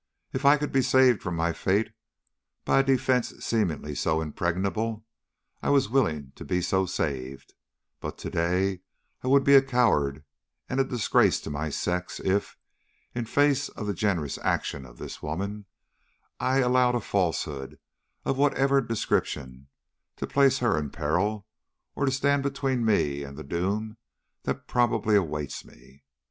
If I could be saved from my fate by a defence seemingly so impregnable, I was willing to be so saved, but to day I would be a coward and a disgrace to my sex if, in face of the generous action of this woman, I allowed a falsehood of whatever description to place her in peril, or to stand between me and the doom that probably awaits me.